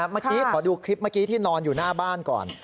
เมื่อกี้ขอดูคลิปที่นอนอยู่หน้าบ้านก่อน